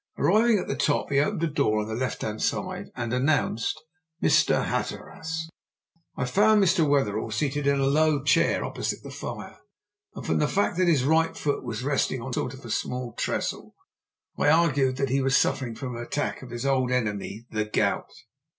Arriving at the top he opened a door on the left hand side and announced "Mr. Hatteras." I found Mr. Wetherell seated in a low chair opposite the fire, and from the fact that his right foot was resting on a sort of small trestle, I argued that he was suffering from an attack of his old enemy the gout.